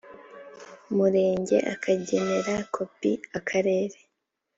murenge akagenera kopi akarere